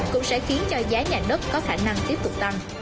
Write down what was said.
cũng sẽ khiến cho giá nhà đất có khả năng tiếp tục tăng